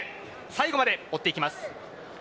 最後まで追っていきます。